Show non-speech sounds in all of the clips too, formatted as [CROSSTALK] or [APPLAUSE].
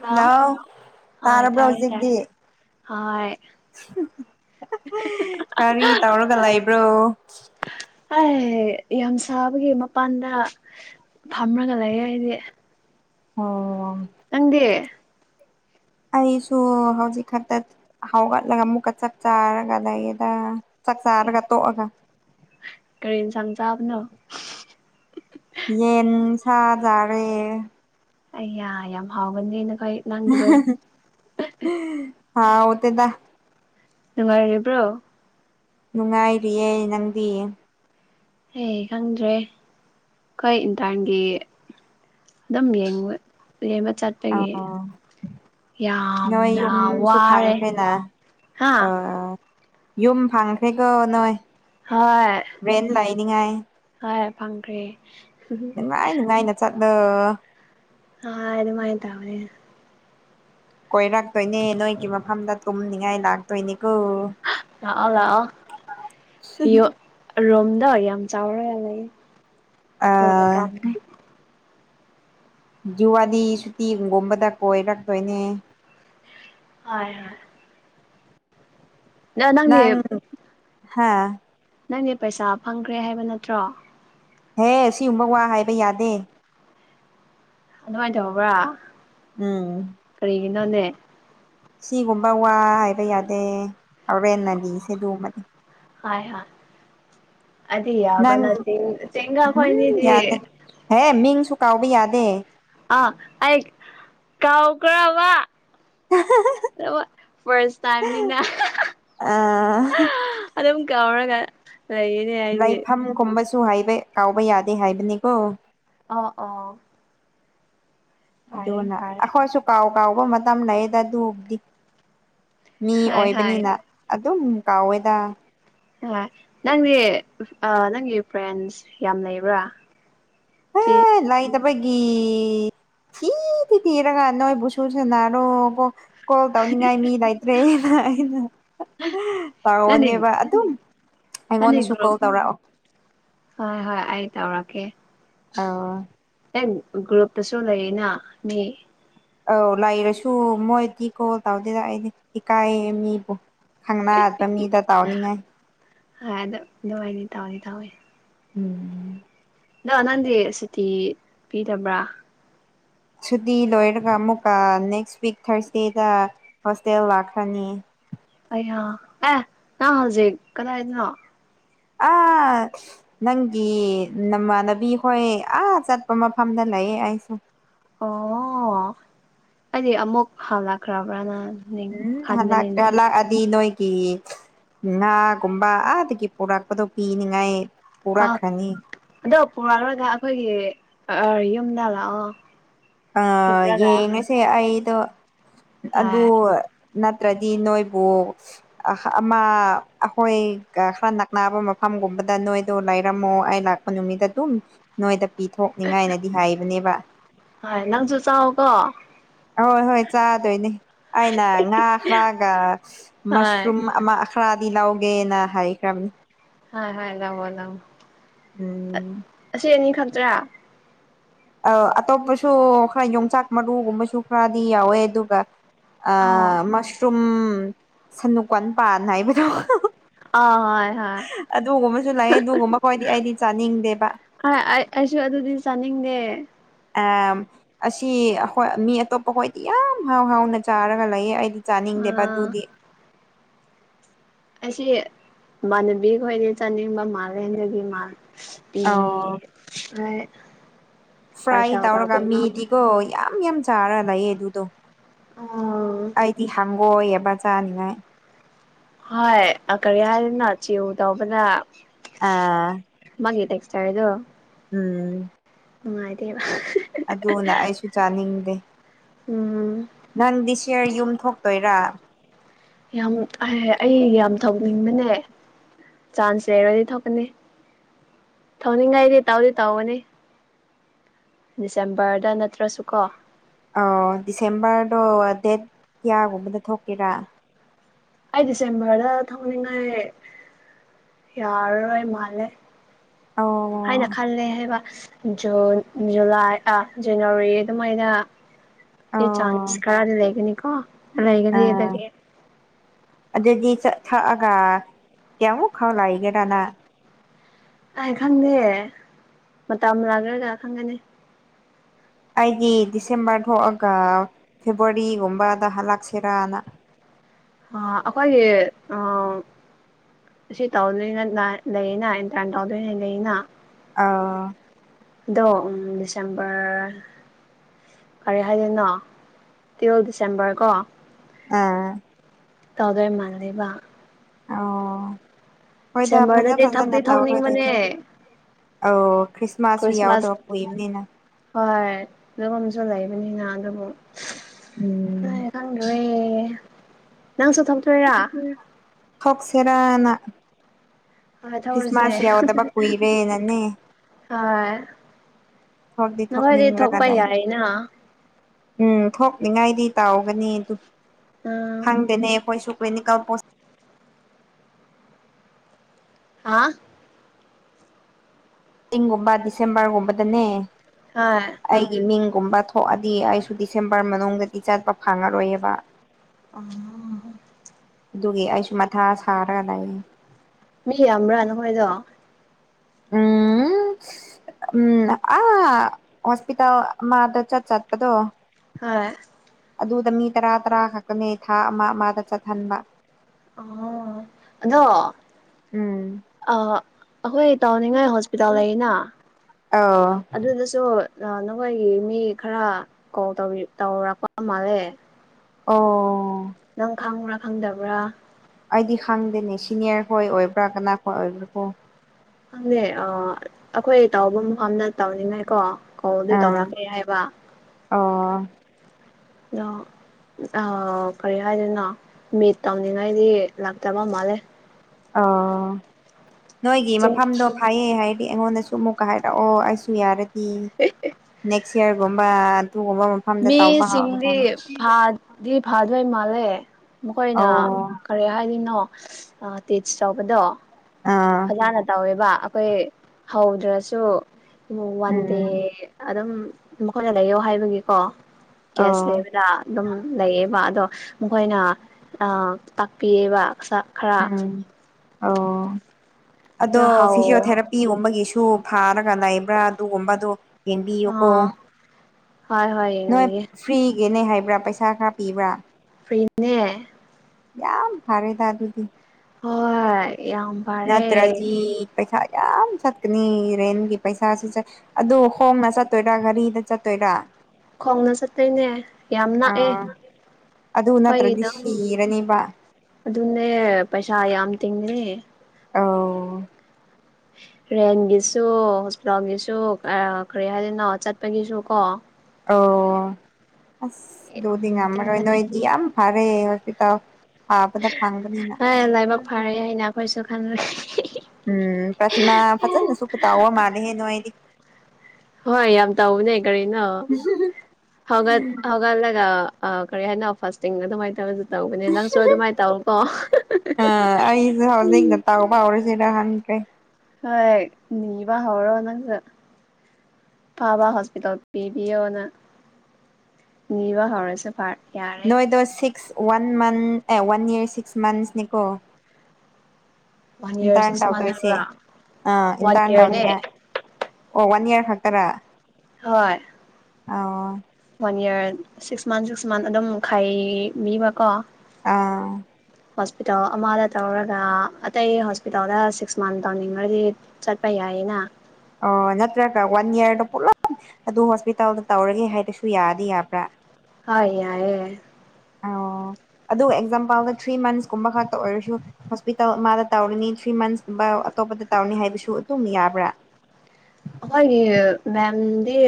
hello hello ꯍꯣꯏ ꯇꯥꯔꯕ꯭ꯔꯣ ꯇꯥꯔꯦ ꯇꯥꯔꯦ ꯍꯧꯖꯤꯛꯗꯤ ꯍꯣꯏ ꯀꯔꯤ ꯇꯧꯔꯒ ꯂꯩꯕ꯭ꯔꯣ ꯑꯩ ꯌꯥꯝ ꯁꯥꯕꯒꯤ ꯃꯄꯥꯟꯗ ꯐꯝꯃꯒ ꯂꯩꯌꯦ ꯑꯩꯗꯤ ꯑꯣ ꯅꯪꯗꯤ ꯑꯩꯁꯨ ꯍꯧꯖꯤꯛ ꯈꯛꯇ ꯍꯧꯥꯎꯒꯠꯂꯒ ꯑꯃꯨꯛꯀ ꯆꯥꯛ ꯆꯥꯔꯒ ꯂꯩꯌꯦꯦꯗ ꯆꯥꯛ ꯆꯥꯔꯒ ꯇꯣꯛꯑꯒ ꯀꯔꯤ ꯌꯦꯟꯁꯥꯡ ꯆꯥꯕꯅꯣ ꯌꯦꯟ ꯁꯥꯒꯒ ꯌꯦꯟ ꯑꯌꯥ ꯌꯥꯝ ꯍꯥꯎꯒꯅꯤꯅꯦ ꯍꯥꯥꯎꯇꯦꯗꯥ ꯅꯨꯡꯉꯥꯏꯔꯤꯕ꯭ꯔꯣ ꯅꯨꯡꯉꯥꯏꯔꯤꯌꯦ ꯅꯪꯗꯤ ꯍ ꯈꯪꯗ꯭ꯔꯦ ꯑꯩꯈꯣꯏ ꯏꯟꯇꯔꯟꯒꯤ ꯑꯗꯨꯝ ꯌꯦꯡꯕ ꯂꯦꯝꯕ ꯆꯠꯄꯒꯤ ꯑꯥ ꯅꯣꯏ ꯌꯥꯝꯅ ꯌꯨꯝꯁꯨ ꯋꯥꯔꯦ ꯐꯪꯈ꯭ꯔꯦꯅ ꯍꯥꯥ ꯑꯥ ꯌꯨꯝ ꯐꯥꯡꯈ꯭ꯔꯦ ꯀꯣ ꯅꯣꯏ ꯍꯣꯏ ꯍꯥꯏꯅꯤꯡꯉꯥꯏ ꯐꯪꯈ꯭ꯔꯦ ꯅꯨꯉꯥꯏ ꯅꯨꯡꯉꯥꯏꯅ ꯆꯠꯂꯣ ꯑ ꯑ ꯑꯗꯨꯃꯥꯏ ꯇꯧꯋꯦ ꯀꯣꯏꯔꯛꯇꯣꯏꯅꯦ ꯅꯣꯏꯒꯤ ꯃꯐꯝꯗ ꯇꯨꯝꯅꯤꯡꯉꯥꯏ ꯂꯥꯛꯇꯣꯏꯅꯤ ꯂꯥꯛꯑꯣ ꯂꯥꯛꯑꯣ ꯌꯣ ꯔꯣꯝꯗꯣ ꯌꯥꯝ ꯆꯥꯎꯔꯣꯏ ꯂꯩ ꯍꯣꯏ ꯑꯥ ꯀꯩ ꯖꯋꯥꯂꯤ ꯁꯨꯇꯤ ꯍꯒꯣꯕꯗ ꯀꯣꯏꯔꯛꯇꯣꯏꯅꯦ ꯍꯣꯏ ꯍꯣꯏ ꯅ ꯅꯪꯅꯦ ꯍꯥꯥ ꯅꯪꯅꯦ ꯄꯩꯁꯥ ꯐꯪꯈ꯭ꯔꯦ ꯍꯥꯏꯕ ꯅꯠꯇ꯭ꯔꯣ ꯍꯦ ꯁꯤꯒꯨꯝꯕ ꯋꯥ ꯍꯥꯏꯕ ꯌꯥꯗꯦ ꯑꯗꯨꯃꯥꯏꯅ ꯇꯧꯕ꯭ꯔꯥ ꯎꯝ ꯏꯅꯟꯅꯦ ꯁꯤꯒꯨꯝꯕ ꯋꯥ ꯍꯥꯏꯕ ꯌꯥꯗꯦ ꯍꯣꯔꯦꯟ ꯑꯗꯤꯁꯦ ꯑꯗꯨꯒꯣꯃꯅꯤ ꯍꯣꯏ ꯍꯣꯏ ꯑꯗ ꯅꯪ ꯌꯥꯕꯅꯥ ꯊꯦꯡꯒꯥ ꯍꯥꯈꯣꯏꯅꯤꯗꯤ ꯄꯥꯎꯕꯤ ꯌꯥꯗꯦ ꯑꯥ ꯑꯩ ꯀꯥꯎ ꯀ ꯋꯥ ꯐꯔꯁ ꯇꯥꯏꯝꯅꯤꯅ ꯑ ꯀꯧꯔꯒ ꯂꯥꯏꯐꯝꯒꯨꯝꯕꯁꯨ ꯍꯥꯏꯕ ꯀꯥꯎꯕ ꯌꯥꯗꯦ ꯍꯥꯏꯕꯅꯤꯀꯣ ꯑ ꯑ ꯑꯗꯨꯅ ꯑꯩꯈꯣꯏꯁꯨ ꯀꯥꯎ ꯀꯥꯎꯕ ꯃꯇꯝ ꯂꯩꯌꯦꯗ ꯑꯗꯨꯕꯨꯗꯤ ꯃꯤ ꯍꯣꯏ ꯍꯣꯏ ꯑꯣꯏꯕꯅꯤꯅ ꯑꯗꯨꯝ ꯀꯥꯎꯋꯦꯗ ꯑ ꯅꯪꯗꯤ ꯅꯪꯒꯤ ꯐ꯭ꯔꯦꯟꯁ ꯌꯥꯝ ꯂꯩꯕ꯭ꯔꯥ ꯍ ꯁꯤ ꯂꯇ ꯑꯩꯈꯣꯏꯒꯤ ꯊꯤ ꯊꯤ ꯊꯤꯔꯒ ꯅꯣꯏꯕꯨ ꯁꯨ ꯁꯟꯅꯔꯣꯀꯣ ꯀꯣꯜ ꯇꯧꯅꯤꯡꯉꯥꯏ ꯃꯤ ꯂꯩꯇ꯭ꯔꯦ ꯑꯩꯅ ꯅꯪꯗꯤ ꯇꯧꯔꯑꯣꯅꯦꯕ ꯑꯗꯨꯝ ꯅꯪꯗꯤ ꯑꯩꯉꯣꯟꯗꯁꯨ ꯒ꯭ꯔꯨꯞ ꯀꯣꯜ ꯇꯧꯔꯛꯑꯣ ꯍꯣꯏ ꯍꯣꯏ ꯑꯩ ꯇꯧꯔꯛꯀꯦ ꯑꯥ ꯍꯦꯛ ꯒ꯭ꯔꯨꯞꯇꯁꯨ ꯂꯩꯌꯦꯅ ꯃꯤ ꯑꯧ ꯂꯩꯔꯁꯨ ꯃꯣꯏꯗꯤ ꯀꯣꯜ ꯇꯧꯗꯦ ꯂꯥꯛꯏꯁꯦ ꯏꯀꯥꯏ ꯃꯤꯕꯨꯣ ꯈꯪꯅꯠꯄ ꯃꯤꯗ ꯇꯥꯎꯅꯤꯡꯉꯥꯏ ꯍꯥꯏꯗ ꯑꯗꯨꯥꯏꯅꯤ ꯇꯧꯅꯤ ꯇꯧꯑꯣꯋꯅꯤ ꯎꯝ ꯅꯣ ꯅꯪꯗꯤ ꯁꯨꯇꯤ ꯄꯤꯗꯕ꯭ꯔꯥ ꯁꯨꯇꯤ ꯂꯣꯏꯔꯒ ꯑꯃꯨꯛꯀ ꯅꯦꯛꯁ ꯋꯤꯛ ꯊꯥꯔꯁꯗꯦꯗ ꯍꯣꯁꯇꯦꯜ ꯂꯥꯛꯈ꯭ꯔꯅꯤ ꯑꯌꯥ ꯑꯦ ꯅ ꯍꯧꯖꯤꯛ ꯀꯗꯥꯏꯗꯅꯣ ꯑ ꯅꯪꯒꯤ ꯅꯃꯥꯟꯅꯕꯤ ꯍꯣꯏ ꯑꯥ ꯆꯠꯄ ꯃꯐꯝꯗ ꯂꯩ ꯂꯩꯌꯦ ꯑꯁꯨ ꯑꯣ ꯑꯩꯗꯤ ꯑꯃꯨꯛ ꯍꯥꯥꯎꯥ ꯈꯔꯕ꯭ꯔꯥ ꯅ ꯎꯝ ꯍꯜꯂ ꯑꯗꯤ ꯅꯣꯏ ꯉꯥꯒꯨꯝꯕ ꯑꯥꯗꯒꯤ ꯄꯨꯔꯛꯄꯗꯣ ꯄꯤꯅꯤꯡꯉꯥꯏ ꯄꯨꯔꯥ ꯈꯪꯉꯅꯤ ꯄꯨꯔꯛꯂꯣꯏꯗ ꯑꯩꯈꯣꯏꯒꯤ ꯌꯨꯝꯗ ꯂꯥꯛꯑꯣ ꯑ ꯄꯨꯔꯒ ꯌꯦꯡꯉꯁꯦ ꯑꯩꯗꯣ ꯑꯗꯨ ꯍꯣꯏ ꯅꯠꯇ꯭ꯔꯗꯤ ꯅꯣꯏꯕꯨ ꯑꯃ ꯑꯩꯈꯣꯏꯒ ꯈꯔ ꯅꯛꯕ ꯃꯐꯝ ꯝꯒꯨꯝꯕꯗ ꯅꯣꯏꯗꯣ ꯂꯩꯔꯝꯃꯣ ꯑꯩ ꯂꯥꯛꯄ ꯅꯨꯃꯤꯠꯇ ꯑꯗꯨꯝ ꯅꯣꯏꯗ ꯄꯤꯊꯣꯛꯅꯤꯉꯥꯏꯅꯗꯤ ꯍꯥꯏꯕꯅꯦꯕ [INAUDIBLE] ꯅ ꯨꯁꯥ ꯍꯒꯣ ꯑꯍꯣꯏ ꯍꯣꯏ ꯆꯥꯗꯣꯏꯅꯦ ꯑꯩꯅ ꯉꯥ ꯈꯔꯒ ꯍꯣꯏ ꯃꯁꯔꯨꯝ ꯑꯃ ꯈꯔ ꯂꯧꯒꯦꯅ ꯍꯥꯏꯈ꯭ꯔꯕꯅꯤ ꯍꯥ ꯍ ꯂꯕꯣꯗꯝ ꯎꯝ ꯑꯁꯤ ꯑꯅꯤ ꯈꯛꯇ꯭ꯔꯥ ꯑ ꯑꯇꯣꯞꯄꯁꯨ ꯈꯔ ꯌꯣꯡꯆꯥꯛ ꯃꯔꯨꯒꯨꯝꯕꯁꯨ ꯈꯔꯗꯤ ꯌꯥꯎꯋꯦ ꯑꯗꯨꯒ ꯑ ꯑꯥ ꯃꯁꯔꯨꯝ ꯁꯅꯨ ꯀꯥꯟꯄꯥꯟ ꯍꯥꯏꯕꯗꯣ ꯑ ꯍꯣꯏ ꯍ ꯑꯗꯨꯒꯨꯝꯕꯁꯨ ꯂꯩꯥꯛꯑꯦ ꯑꯗꯨꯒꯨꯝꯕ ꯈꯣꯏꯗꯤ ꯑꯩꯗꯤ ꯆꯥꯅꯤꯡꯗꯦꯕ ꯆꯤꯡꯅꯦ ꯑꯁꯤ ꯑꯩꯣꯏ ꯃꯤ ꯑꯇꯣꯞꯄ ꯍꯣꯏꯗꯤ ꯌꯥꯝ ꯍꯥꯎ ꯍꯥꯎꯅ ꯆꯥꯔꯒ ꯂꯩꯌꯦ ꯑꯩꯗꯤ ꯆꯥꯅꯤꯡꯗꯦꯕ ꯑꯥ ꯑꯗꯨꯗꯤ ꯑꯁꯤ ꯃꯥꯟꯅꯕꯤ ꯈꯣꯏꯗꯤ ꯆꯥꯅꯤꯡꯕ ꯃꯥꯜꯂꯦꯗꯒꯤ ꯃꯥꯜꯦ ꯑꯦ ꯑꯣ ꯑ ꯐ꯭ꯔꯥꯏ ꯇꯧꯔꯒ ꯃꯤꯗꯤꯀꯣ ꯌꯥꯝ ꯌꯥꯝ ꯆꯥꯔꯗꯥꯏꯌꯦ ꯑꯗꯨꯗꯣ ꯑꯣ ꯑꯗꯤ ꯍꯒ ꯑꯦꯕ ꯆꯥꯅꯤꯉꯥꯏ ꯍꯣꯏ ꯀꯔꯤ ꯍꯥꯏꯗꯅ ꯆꯦꯌꯨ ꯇꯧꯕꯅ ꯑꯥ ꯦ ꯇꯦꯛꯁꯇꯥꯏꯔꯣ ꯎꯝ ꯎ ꯑꯗꯦ ꯑꯗꯨꯅ ꯑꯩꯁꯨ ꯆꯥꯅꯤꯡꯗꯦ ꯎꯝ ꯅꯪꯗꯤ ꯁꯤꯌꯔ ꯌꯨꯝ ꯊꯣꯛꯇꯣꯏꯔꯥ ꯌꯥꯝ ꯑꯩ ꯌꯥꯝ ꯊꯧꯅꯤꯡꯕꯅꯦ ꯆꯥꯟꯁ ꯂꯩꯔꯗꯤ ꯊꯣꯛꯀꯅꯤ ꯊꯧꯅꯤꯡꯉꯥꯏꯗꯤ ꯇꯥꯎꯗꯤ ꯇꯥꯎꯒꯅꯤ ꯗꯤꯁꯦꯝꯕꯔꯗ ꯅꯠꯇ꯭ꯔꯁꯨ ꯀꯣ ꯑ ꯗꯤꯁꯦꯝꯕꯔꯗꯣ ꯗꯦꯠ ꯀꯌꯥꯒꯨꯝꯕꯗ ꯊꯣꯛꯀꯦꯔꯥ ꯑꯩ ꯗꯤꯁꯦꯝꯕꯔꯗ ꯊꯧꯅꯤꯡꯉꯥꯏ ꯌꯥꯔꯔꯣꯏ ꯃꯥꯜꯂꯦ ꯑꯣ ꯍꯥꯏꯅ ꯈꯜꯂꯦ ꯍꯥꯏꯕ ꯖꯟ ꯖꯨꯂꯥꯏ ꯑꯥ ꯖꯅꯋꯥꯔꯤ ꯑꯗꯨꯃꯥꯏꯅ ꯆꯥꯟꯁ ꯑꯣ ꯀꯗꯤ ꯂꯩꯦꯒꯅꯤꯀꯣ ꯂꯩꯒꯅꯤꯗ ꯑꯥ ꯊ ꯑꯒꯎ ꯑꯣ ꯈꯥꯎ ꯂꯥꯏꯒꯦꯗꯅꯥ ꯑꯩ ꯈꯪꯗꯦ ꯃꯇꯝ ꯂꯈ꯭ꯔꯒ ꯈꯪꯒꯅꯤ ꯑꯩꯗꯤ ꯗꯤꯁꯦꯝꯕꯔ ꯊꯣꯛꯑꯒ ꯐꯦꯕꯋꯥꯔꯤꯒꯨꯝꯕꯗ ꯍꯜꯂꯛꯁꯤꯔꯅ [INAUDIBLE] ꯑ ꯑꯩꯈꯣꯏꯒꯤ ꯑ ꯁꯤ ꯇꯧꯗꯣꯏꯅ ꯂꯩꯅ ꯏꯟꯇ꯭ꯔꯥꯟ ꯇꯧꯗꯣꯏꯅꯦ ꯂꯩꯅ ꯑꯥ ꯗꯣ ꯎ ꯗꯤꯁꯦꯝꯕꯔ ꯀꯔꯤ ꯍꯥꯏꯗꯣꯏꯅꯣ ꯇꯨꯋꯦꯜꯐ ꯗꯤꯁꯦꯝꯕꯔ ꯀꯣ ꯑꯥ ꯇꯧꯗꯣꯏ ꯃꯥꯥꯟꯜꯂꯤꯕ ꯑꯣ ꯍꯣꯏꯗ ꯐꯖ ꯗꯤꯁꯦꯝꯕꯔꯗꯗꯤ ꯊꯛꯇꯤ ꯐꯖꯅ ꯇꯧꯔꯣꯏ ꯊꯧꯅꯤꯡꯕꯅꯦ ꯑꯗꯨꯗꯤ ꯑ ꯈ꯭ꯔꯤꯁꯃꯥꯁꯁꯨ ꯌꯥꯎꯗ ꯈ꯭ꯔꯤꯁꯃꯥꯁ ꯀꯕꯅꯤꯅ ꯁꯨ ꯂꯩꯕꯅꯤꯅ ꯑꯗꯨꯕꯨ ꯎꯝ ꯈꯪꯗꯣꯔꯦ ꯅꯪꯁꯨ ꯊꯧꯛꯇꯣꯏꯔꯥ ꯍꯛꯁꯦꯔꯥꯅ ꯍꯣꯏ ꯊꯧꯔꯁꯦ ꯀ꯭ꯤꯁꯃꯥꯁ ꯌꯥꯎꯗꯕ ꯀꯨꯏꯔꯦ ꯅꯅꯦ ꯍꯣꯏ ꯊꯣꯛꯗꯤ ꯅꯈꯣꯏꯗꯤ ꯊꯣꯛꯄ ꯊꯣꯛꯅꯤꯡꯕꯒꯅ ꯌꯥꯏꯅ ꯎꯝ ꯊꯣꯛꯅꯤꯡꯉꯥꯏꯗꯤ ꯇꯥꯎꯒꯅꯤ ꯑꯗꯨ ꯎꯝ ꯈꯪꯗꯅꯦ ꯑꯩꯈꯣꯏꯁꯨ ꯣꯏꯦ ꯀꯥꯣ [UNINTELLIGIBLE] ꯑꯥ ꯤꯡꯒꯨꯝꯕ ꯗꯤꯁꯦꯝꯕꯔꯒꯨꯝꯕꯗꯅꯦ ꯍꯣꯏ ꯑꯩꯒꯤ ꯃꯤꯡ ꯒꯨꯝꯕ ꯊꯣꯛꯑꯗꯤ ꯑꯩꯁꯨ ꯗꯤꯁꯦꯝꯕꯔ ꯃꯅꯨꯡꯗꯗꯤ ꯆꯠꯄ ꯐꯪꯉꯔꯣꯏꯑꯕ ꯑ [UNINTELLIGIBLE] ꯑꯗꯨꯒꯤ ꯑꯩꯁꯨ ꯃꯊꯥ ꯁꯥꯔꯒ ꯂꯩꯌꯦ ꯃꯤ ꯌꯥꯝꯕ꯭ꯔꯥꯅ ꯃꯣꯏꯗꯣ ꯎꯝ ꯎꯝ ꯑ ꯍꯁꯄꯤꯇꯥ ꯃꯥꯗ ꯆꯠ ꯆꯠꯄꯗꯣ ꯍꯣꯏ ꯑꯗꯨꯗ ꯃꯤ ꯇꯔꯥ ꯇꯔꯥ ꯈꯛꯛꯇꯅꯦ ꯊꯥ ꯑꯃ ꯑꯃꯗ ꯆꯠꯍꯟꯕ ꯑ ꯑꯗꯣ ꯎꯝ ꯑ ꯑꯩꯈꯣꯏ ꯇꯥꯎꯅꯤꯡꯉꯥꯏ ꯍꯣꯁꯄꯤꯇꯥꯜ ꯂꯩꯅ ꯑꯥ ꯑꯗꯨꯗꯁꯨ ꯅꯈꯣꯏꯒꯤ ꯃꯤ ꯈꯔ ꯀꯣꯜ ꯇꯧꯔꯛꯄ ꯃꯥꯜꯂꯦ ꯑꯣ ꯅꯪ ꯈꯪꯕ꯭ꯔꯥ ꯈꯪꯗꯕ꯭ꯔꯥ ꯑꯩꯗꯤ ꯈꯪꯗꯦꯅꯦ ꯁꯤꯅꯤꯌꯔ ꯍꯣꯏ ꯑꯣꯏꯕ꯭ꯔꯥ ꯀꯅꯥ ꯈꯣꯏ ꯑꯣꯏꯕ꯭ꯔꯥꯀꯣ ꯈꯪꯗꯦ ꯑ ꯑꯩꯈꯣꯏ ꯇꯥꯎꯧꯕ ꯃꯐꯝꯗ ꯇꯧꯅꯤꯡꯉꯥꯏ ꯀꯣ ꯀ ꯑꯗꯨ ꯑꯥ ꯇꯧꯔꯛꯀꯦ ꯍꯥꯏꯕ ꯑꯣ ꯗ ꯑ ꯀꯔꯤ ꯍꯥꯏꯗꯅꯣ ꯃꯤꯠ ꯇꯝꯅꯤꯉꯥꯏꯗꯤ ꯂꯥꯛꯇꯕ ꯃꯥꯜꯂꯦ ꯑꯣ ꯅꯣꯏꯒꯤ ꯃꯐꯝꯗꯣ ꯐꯩꯌꯦ ꯍꯥꯏ ꯑ ꯑꯩꯉꯣꯟꯗꯁꯨ ꯑꯃꯨꯛꯀ ꯍꯥꯏꯔꯛꯑꯣ ꯑꯩꯁꯨ ꯌꯥꯔꯗꯤ ꯅꯦꯛꯁ ꯌꯌꯥꯔꯒꯨꯝꯕ ꯑꯗꯨꯒꯨꯝꯕ ꯃꯐꯝꯗ ꯇꯧꯕ ꯍꯅꯤ ꯗꯤ ꯐꯥꯗꯣꯏ ꯃꯥꯜꯂꯦ ꯃꯈꯣꯏꯅ ꯑꯧ ꯀꯔꯤ ꯍꯥꯏꯗꯅꯣ ꯇꯦꯆ ꯇꯧꯕꯗꯣ ꯑꯥ ꯐꯖꯅ ꯇꯧꯋꯦꯕ ꯑꯩꯈꯣꯏ ꯍꯧꯗ꯭ꯔꯁꯨ ꯋꯥꯟ ꯗꯦ ꯎꯝ ꯑꯗꯨꯝ ꯃꯈꯣꯏꯅ ꯂꯩꯌꯣ ꯍꯥꯏꯕꯒꯤꯀꯣ ꯀꯦꯁ ꯑꯧ ꯂꯩꯕꯗ ꯑꯗꯨꯝ ꯂꯩꯌꯦꯕ ꯑꯗꯣ ꯃꯈꯣꯏꯅ ꯇꯥꯛꯄꯤꯌꯦꯕ ꯈꯔ ꯑꯣ ꯑꯗꯣ ꯐꯤꯖꯤꯣꯊꯦꯔꯥꯄꯤꯒꯨꯝꯕꯒꯤꯁꯨ ꯑꯗꯨꯨ ꯐꯥꯔꯒ ꯂꯩꯕ꯭ꯔꯥ ꯑꯗꯨꯒꯨꯝꯕꯗꯣ ꯌꯦꯦꯟꯕꯤꯌꯨꯀꯣ ꯑꯥ ꯍꯣꯏ ꯍꯣꯏ ꯅꯣꯏ ꯌꯦꯡꯕꯤꯒꯦ ꯐ꯭ꯔꯤꯒꯤꯦꯅꯦ ꯍꯥꯏꯕ꯭ꯔꯥ ꯄꯩꯁꯥ ꯈꯔ ꯄꯤꯕ꯭ꯔꯥ ꯐꯔꯤꯅꯦ ꯌꯥꯝꯌꯥꯝ ꯐꯔꯦꯗꯗꯥꯗꯨꯨꯗꯤ ꯍꯣꯏ ꯌꯥꯝ ꯐꯔꯦ ꯅꯠꯇ꯭ꯔꯖꯤ ꯄꯩꯁꯥ ꯌꯥꯝ ꯆꯠꯀꯅꯤ ꯔꯦꯟꯒꯤ ꯄꯩꯁꯥꯁꯨꯁ ꯑꯗꯨ ꯍꯣꯝꯅ ꯆꯠꯇꯣꯏꯔꯥ ꯒꯥꯔꯤꯗ ꯆꯠꯇꯣꯏꯔꯥ ꯈꯣꯡꯅ ꯆꯠꯇꯣꯏꯅꯦ ꯌꯥꯝ ꯂꯥꯛꯑꯦ ꯑꯥ ꯑꯗꯨ ꯅꯠꯇ꯭ꯔꯗꯤ ꯑꯩꯣꯏꯒꯤꯗ ꯁꯤꯔꯅꯤꯕ ꯑꯗꯨꯟꯅꯦ ꯄꯩꯁꯥ ꯌꯥꯝ ꯇꯦꯡꯤꯡꯅꯤ ꯑ ꯔꯦꯟꯒꯤꯁꯨ ꯍꯣꯁꯄꯤꯇꯥꯜꯒꯤꯁꯨ ꯀꯔꯤ ꯍꯥꯏꯗꯣꯏꯅꯣ ꯆꯠꯄꯒꯤꯁꯨ ꯀꯣ ꯑꯣ ꯑꯁ ꯑꯗꯨꯗꯨꯗꯤ ꯉꯝꯃꯔꯣꯏ ꯇꯤꯡꯒꯅꯤ ꯅꯣꯏꯗꯤ ꯌꯥꯝ ꯐꯔꯦ ꯍꯣꯁꯄꯤꯇꯥꯜ ꯐꯥꯕꯗ ꯐꯪꯕꯅꯤꯅ ꯍ ꯂꯥꯏꯕꯥꯛ ꯐꯥꯔꯦ ꯍꯥꯏꯅꯥ ꯐꯥꯏꯁꯨ ꯈ ꯎꯝ ꯄ꯭ꯔꯊꯅꯥ ꯐꯖꯅꯁꯨ ꯇꯥꯎ ꯃꯥꯜꯂꯦ ꯍꯦ ꯅꯨꯡꯉꯥꯏꯗꯤ ꯍꯣꯏ ꯌꯥꯝ ꯇꯥꯎꯅꯦ ꯀꯅ ꯍꯒ ꯍꯒꯂꯒ ꯑ ꯀꯔꯤ ꯍꯥꯏꯅ ꯐꯥꯁꯇꯤꯡ ꯑꯗꯨꯃꯥꯏꯅ ꯇꯧꯋꯦ ꯇꯧꯕꯅꯦ ꯅꯪꯁꯨ ꯑꯗꯨꯃꯥꯏꯅ ꯇꯧꯀꯣ ꯑ ꯎꯝ ꯀꯦ ꯍꯣꯏ ꯅꯕ ꯍꯧꯔꯣ ꯅꯪꯁꯨ ꯐꯥꯕ ꯍꯣꯁꯄꯤꯇꯥꯜ ꯄꯤꯕꯤꯌꯣꯅ ꯅꯤꯕ ꯍꯧꯔꯁꯦ ꯐꯔꯦ ꯅꯣꯏꯗ ꯁꯤꯛꯁ ꯋꯥꯟ ꯃꯟ ꯑꯦ ꯋꯥꯟ ꯏꯔ ꯁꯤꯛꯁ ꯃꯟꯁꯅꯦꯀꯣ ꯋꯥꯟ ꯌꯔ ꯏꯟꯇꯥꯟ ꯁꯤꯛꯁ ꯃꯟ ꯇꯧꯗꯣꯏꯁꯤꯦ ꯍꯥꯏꯕ꯭ꯔꯥ ꯑ ꯋꯥꯟ ꯏꯟꯇꯥꯟ ꯇꯧꯔꯤꯅ ꯌꯔꯅꯦ ꯑꯣ ꯋꯥꯟ ꯏꯔ ꯈ ꯇꯔ ꯍꯣꯏ ꯑꯥ one year six month six month ꯑꯗꯨꯝ ꯈꯥꯏꯕꯤꯕꯀꯣ ꯑꯥ ꯍꯣꯁꯄꯤꯇꯥꯜ ꯑꯃꯗ ꯇꯧꯔꯒ ꯑꯇꯩ ꯍꯣꯁꯄꯤꯇꯥꯜꯗ ꯁꯤꯛꯁ ꯃꯟ ꯇꯧꯅꯤꯡꯉꯗꯤ ꯆꯠꯄ ꯌꯥꯏ [INAUDIBLE] ꯑꯣꯠꯇꯦ ꯋꯥꯟ ꯏꯌꯥꯔ ꯄꯨꯂ ꯑꯗꯨ ꯍꯣꯁꯄꯤꯇꯥꯜꯗ ꯇꯧꯔꯒꯦ ꯍꯥꯏꯗꯁꯨ ꯌꯥꯗꯤ ꯌꯥꯕ꯭ꯔꯥ ꯍ ꯌꯥꯑꯌꯦ ꯑ ꯑꯗꯨ ꯑꯦꯛꯖꯥꯝꯄꯜꯗ ꯊ꯭ꯔꯤ ꯃꯟꯁꯀꯨꯝꯕ ꯈꯛꯇ ꯑꯣꯏꯔꯁꯨ ꯍꯣꯁꯄꯤꯇꯥꯜ ꯃꯥꯗ ꯇꯧꯔꯤꯅꯤ ꯊ꯭ꯔꯤ ꯃꯟꯁꯀ ꯑꯇꯣꯞꯄ ꯇꯧꯅꯤ ꯍꯥꯏꯕꯁꯨ ꯑꯗꯨꯝ ꯌꯥꯕ꯭ꯔꯥ ꯍꯦ ꯃꯗꯤ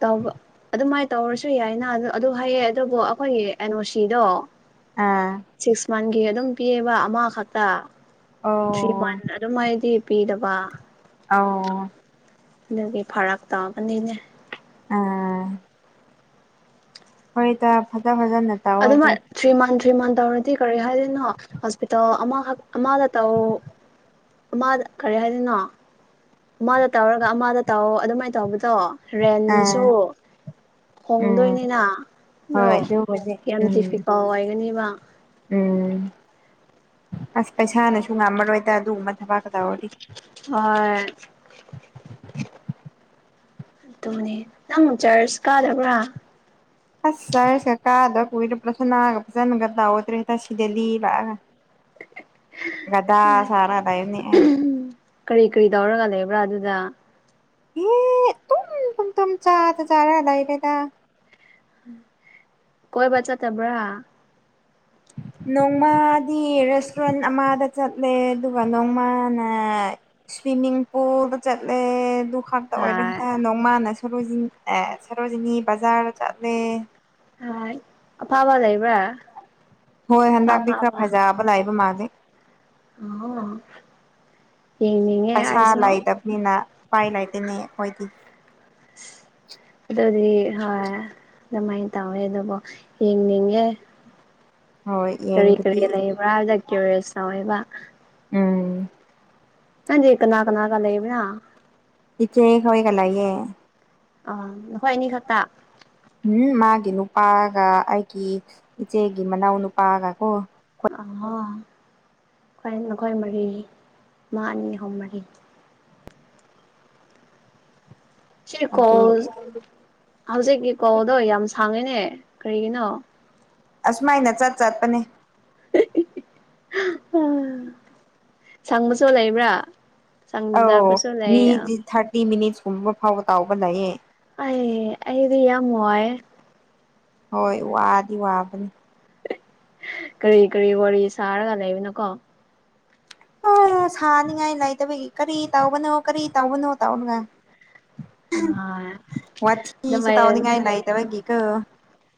ꯇꯕ ꯑꯗꯨꯃꯥꯏꯅ ꯇꯧꯔꯁꯨ ꯌꯥꯏꯅ ꯑꯗꯨ ꯍꯥꯏꯌꯦ ꯑꯗꯨꯕꯨ ꯑꯩꯈꯣꯏꯒꯤ ꯑꯦꯅꯣ ꯁꯤꯗꯣ ꯑꯥ ꯁꯤꯛꯁ ꯃꯟꯒꯤ ꯑꯗꯨꯝ ꯄꯤꯌꯦꯕ ꯑꯃ ꯈꯛꯇ ꯊ꯭ꯔꯤ ꯑꯣ ꯃꯟ ꯑꯗꯨꯝ ꯍꯥꯏꯗꯤ ꯄꯤꯗꯕ ꯑ ꯑꯗꯨꯒꯤ ꯐꯔꯛ ꯇꯥꯕꯅꯤꯅꯦ ꯑꯥ ꯍꯣꯏ ꯇ ꯐꯠꯇ ꯐ ꯑꯗꯨꯃ ꯊ꯭ꯔꯤ ꯃꯟ ꯊ꯭ꯔꯤ ꯃꯟ ꯇꯧꯔꯗꯤ ꯀꯔꯤ ꯍꯥꯏꯔꯤꯅꯣ ꯍꯣꯁꯄꯤꯇꯥꯜ ꯑꯃ ꯥꯛ ꯑꯃꯗ ꯇꯧꯑꯣ ꯑꯃꯗ ꯀꯔꯤ ꯍꯥꯏꯗꯅꯣ ꯑꯃꯗ ꯇꯧꯔꯒ ꯑꯃꯗ ꯇꯥꯎ ꯑꯗꯨꯃꯥꯏꯅ ꯇꯧꯕꯗꯣ ꯔꯦꯟꯁꯨ ꯑꯥ ꯎꯝ ꯍꯣꯡꯗꯣꯏꯅꯤꯅ ꯍꯣꯏ ꯑꯗꯣ ꯑꯗꯨꯕꯨꯗꯤ ꯌꯥꯝ ꯎꯝ ꯗꯤꯐꯤꯀꯜ ꯑꯣꯏꯒꯅꯤꯕ ꯎꯝ ꯑꯁ ꯄꯩꯁꯥꯅꯁꯨ ꯉꯝꯃꯔꯣꯏꯗ ꯑꯗꯨꯒꯨꯝꯕ ꯊꯕꯥꯛꯀ ꯇꯧꯔꯗꯤ ꯑ ꯑꯗꯨꯅꯦ ꯅꯪ ꯆꯔꯆ ꯀꯥꯗꯕ꯭ꯔꯥ ꯑꯁ ꯆꯔꯁ ꯀꯥꯗ ꯀꯨꯏꯔ‌ꯦ ꯄꯔꯊꯅꯥ ꯒ ꯐꯖꯟꯅ ꯇꯧꯗ꯭ꯔ‌ꯦꯗ ꯁꯤ ꯗ‌ꯦꯜꯂꯤ ꯂꯥꯛꯑꯒ ꯒꯗꯥ ꯁꯥꯔ ꯂꯩꯕꯅ‌ꯦ ꯑꯩ ꯀꯔꯤ ꯀꯔꯤ ꯇꯧꯔꯒ ꯂꯩꯕ꯭ꯔꯥ ꯑꯗꯨꯗ ꯎꯝ ꯇꯨꯝ ꯇꯨꯝ ꯆꯥꯗ ꯆꯥꯔ ꯂꯩꯔ‌ꯦꯗ ꯀꯣꯏꯕ ꯆꯠꯇꯕ꯭ꯔꯥ ꯎꯝ [INAUDIBLE] ꯅꯣꯡꯃꯗꯤ ꯔꯦꯁꯇꯨꯔꯦꯟ ꯑꯃꯗ ꯆꯠꯂꯦ ꯑꯗꯨꯒ ꯅꯣꯡꯃꯅ ꯁ꯭ꯋꯃꯤꯤꯡ ꯄꯨꯜꯗ ꯆꯠꯂꯦ ꯥꯈꯛꯇ ꯑꯣꯏꯔꯦ ꯍꯥꯏ ꯍ ꯅꯣꯡꯃꯅ ꯁꯔ‌ꯣꯖꯤ ꯁꯔꯣꯖꯤꯅꯤ ꯕꯖꯥꯔ ꯆꯠꯂꯦ ꯍ ꯑꯐꯕ ꯂꯩꯕ꯭ꯔꯥ ꯍꯣꯏ ꯑꯐꯥ ꯍꯟꯗꯛꯇꯤ ꯈꯔ ꯑꯐꯥꯕ ꯐꯖꯕ ꯂꯏꯕ ꯃꯥꯜꯂꯤ ꯑꯣ ꯌꯦꯡꯅꯤꯡꯉꯦ ꯄꯩꯁꯥ ꯑꯩꯁꯨ ꯂꯩꯇꯕꯅꯤꯅ ꯎꯄꯥꯏ ꯂꯩꯇ‌ꯦꯅꯦ ꯑꯩꯈꯣꯏꯗꯤ ꯑꯗꯨꯗꯤ ꯍꯣꯏ ꯑꯗꯨꯃꯥꯏꯅ ꯇꯧꯋꯦ ꯑꯗꯨꯕꯨ ꯌꯦꯡꯅꯤꯡꯉꯦ ꯍꯣꯏ ꯀꯔꯤ ꯀꯔꯤ ꯌꯦꯡꯕꯗꯤ ꯂꯩꯕ꯭ꯔꯥꯗ ꯀꯌꯨꯔꯤꯌꯁ ꯇꯧꯋꯦꯕ ꯎꯝ ꯀꯅꯥ ꯀꯅꯥꯒ ꯂꯩꯕ꯭ꯔꯥ ꯏꯆꯦ ꯍ‌ꯣꯏꯒ ꯂꯩꯌꯦ ꯑ ꯅꯈꯣꯏ ꯑꯅꯤ ꯈꯛꯇ ꯎꯝ ꯃꯥꯒꯤ ꯅꯨꯄꯥꯒ ꯑꯩꯒꯤ ꯏꯆꯦꯒꯤ ꯃꯅꯥꯎ ꯅꯨꯄꯥꯒ ꯀꯣ ꯃꯈꯣꯏ ꯃꯔꯤ ꯑꯃ ꯑꯅꯤ ꯑꯍꯨꯝ ꯃꯔꯤ ꯁꯤ ꯀꯣꯜ ꯑꯗꯨꯒꯤ ꯍꯧꯖꯤꯛꯀꯤ ꯀꯣꯜꯗꯣ ꯌꯥꯝ ꯁꯥꯡꯉꯤꯅꯦ ꯀꯔꯤꯒꯤꯅꯣ ꯑꯁꯨꯃꯥꯏꯅ ꯆꯠ ꯆꯠꯄꯅꯦ ꯑ ꯁꯪꯕꯁꯨ ꯂꯩꯕ꯭ꯔꯥ ꯑꯧ ꯁꯪꯗꯕꯁꯨ ꯂꯩ ꯃꯤꯗꯤ ꯊꯥꯔꯇꯤ ꯃꯤꯅꯤꯠꯁꯀꯨꯝꯕ ꯐꯥꯎꯕ ꯇꯧꯎꯕ ꯂꯩꯌꯦ ꯑ ꯑꯩꯗꯤ ꯌꯥꯝꯝ ꯋꯥꯏꯌ‌ꯦ ꯍꯣꯏ ꯋꯥꯗꯤ ꯋꯥꯕꯅꯤ ꯀꯔꯤ ꯀꯔꯤ ꯋꯥꯔꯤ ꯁꯥꯔꯒ ꯂꯩꯕꯅꯣꯀꯣ ꯍ ꯁꯥꯅꯤꯉꯥꯏ ꯂꯩꯇꯕꯒꯤ ꯀꯔꯤ ꯇꯧꯕꯅꯣ ꯀꯔꯤ ꯇꯧꯕꯅꯣ ꯇꯧꯔꯒ ꯑꯗꯨꯃꯥꯏꯅ ꯋꯥꯊꯤꯁꯨ ꯇꯧꯅꯤꯉꯥꯏ ꯂꯩꯇꯕꯒꯤ ꯀ‌ꯣ